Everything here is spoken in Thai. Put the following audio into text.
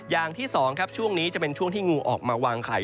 อย่างที่สองครับช่วงนี้จะเป็นช่วงที่งูออกมาวางไข่